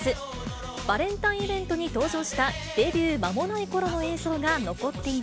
バレンタインイベントに登場したデビュー間もないころの映像が残